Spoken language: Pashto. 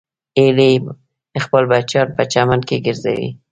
هیلۍ خپل بچیان په چمن کې ګرځوي